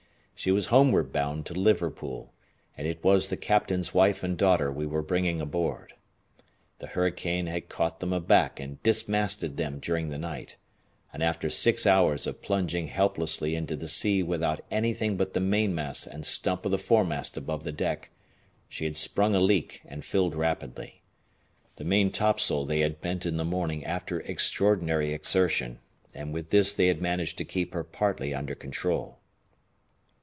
She was homeward bound to Liverpool, and it was the captain's wife and daughter we were bringing aboard. The hurricane had caught them aback and dismasted them during the night, and after six hours of plunging helplessly into the sea without anything but the mainmast and stump of the foremast above the deck, she had sprung a leak and filled rapidly. The maintopsail they had bent in the morning after extraordinary exertion, and with this they had managed to keep her partly under control.